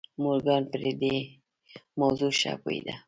مورګان پر دې موضوع ښه پوهېده.